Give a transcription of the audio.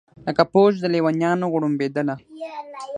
لکه فوج د لېونیانو غړومبېدله